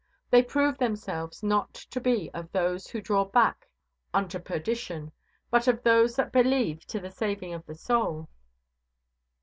They prove themselves not to be of those who draw back unto perdition, but of those that believe to the saving of the soul.